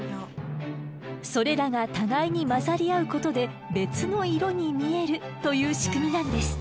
それらが互いに混ざり合うことで別の色に見えるという仕組みなんです。